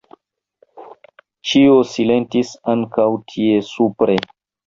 Ĉio silentis ankaŭ tie supre.